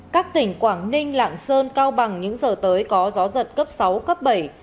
các tỉnh quảng ninh lạng sơn cao bằng những giờ tới có gió giật cấp sáu cấp bảy